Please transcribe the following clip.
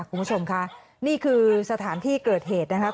คุณผู้ชมค่ะนี่คือสถานที่เกิดเหตุนะครับ